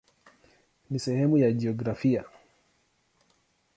Ni sehemu ya jiografia.